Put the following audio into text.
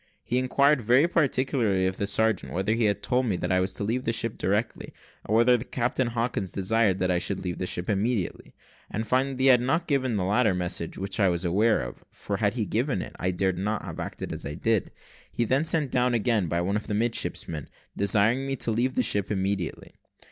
He inquired very particularly of the sergeant whether he had told me that I was to leave the ship directly, or whether that Captain Hawkins desired that I should leave the ship immediately; and finding that he had not given the latter message (which I was aware of, for had he given it, I dare not have acted as I did), he then sent down again by one of the midshipmen, desiring me to leave the ship immediately.